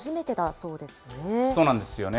そうなんですよね。